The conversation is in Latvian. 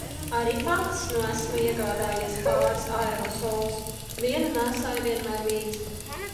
Arī pats nu esmu iegādājies pāris aerosolus, vienu nēsāju vienmēr līdzi.